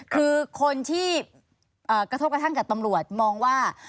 คือคนที่กระทบกระทั่งกับตำรวจมองว่า